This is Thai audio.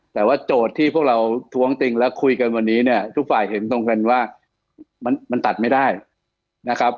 แต่ว่าโจทย์ที่พวกเราท้วงติงและคุยกันวันนี้เนี่ยทุกฝ่ายเห็นตรงกันว่ามันตัดไม่ได้นะครับ